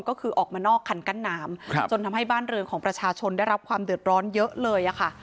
ก็คือออกมานอกคันกั้นน้ำจนทำให้บ้านเรือนของประชาชนได้รับความเดือดร้อนเยอะเลยค่ะ